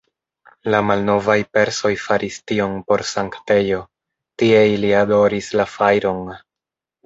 La malnovaj persoj faris tion por sanktejo, tie ili adoris la fajron.